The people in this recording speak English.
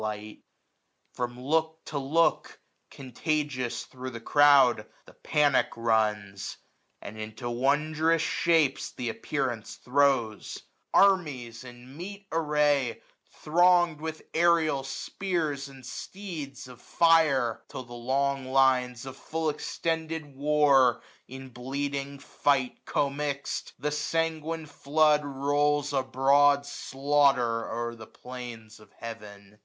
t53 From look to look, contagious thro' the crowd. The panic runs, and into wondrous shapes Th* appearance throws : armies in meet array, 1 1 1 j Thronged with aerial spears, and steeds of fire ; Till the long lines of full extended war {u bleeding fight commixt, the sanguine flood Rolls a broad slaughter o'er the plains of heaven.